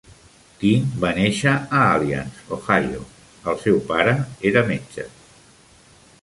King va néixer a Alliance, Ohio; el seu pare era metge.